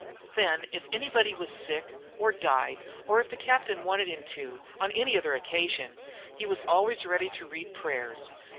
Then if anybody was sick or died, or if the captain wanted him to, on any other occasion, he was always ready to read prayers.